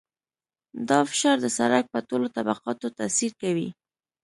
دا فشار د سرک په ټولو طبقاتو تاثیر کوي